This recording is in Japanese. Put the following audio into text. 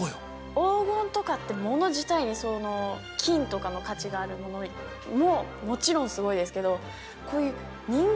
黄金とかって物自体に金とかの価値があるものももちろんすごいですけど。